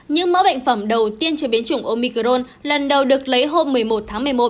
những mẫu bệnh phẩm đầu tiên chế biến chủng omicron lần đầu được lấy hôm một mươi một tháng một mươi một